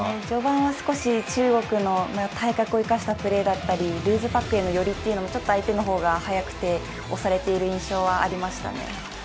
序盤は少し中国の体格を生かしたプレーだったりルーズパックへの寄りもちょっと相手の方が速くて押されている印象はありましたね。